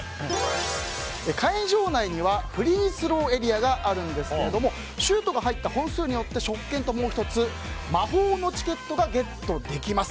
会場内にはフリースローエリアがあるんですけどもシュートが入った本数によって食券ともう１つ魔法のチケットがゲットできます。